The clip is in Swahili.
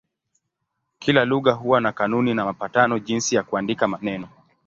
Kila lugha huwa na kanuni na mapatano jinsi ya kuandika maneno.